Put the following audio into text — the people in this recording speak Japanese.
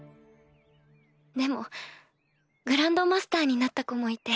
でもグランドマスターになった子もいて。